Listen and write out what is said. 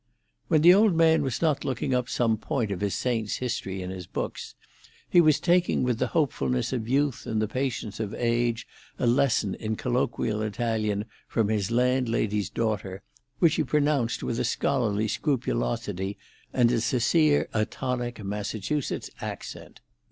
When the old man was not looking up some point of his saint's history in his books, he was taking with the hopefulness of youth and the patience of age a lesson in colloquial Italian from his landlady's daughter, which he pronounced with a scholarly scrupulosity and a sincere atonic Massachusetts accent.